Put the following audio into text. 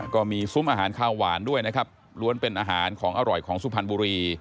ก็มีซุ้มอาหารข้าวหวานด้วยนะครับล้วนเป็นอาหารของอร่อยของสุพรรณบุรี